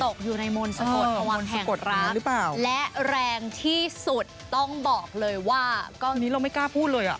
ตกอยู่ในมนต์สกดของวันแห่งรักและแรงที่สุดต้องบอกเลยว่าตอนนี้เราไม่กล้าพูดเลยอะ